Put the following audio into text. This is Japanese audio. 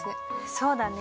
そうだね。